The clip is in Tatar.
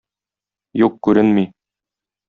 Юк, күренми.